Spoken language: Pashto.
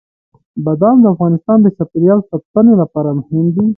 بادام د افغانستان د چاپیریال ساتنې لپاره مهم دي.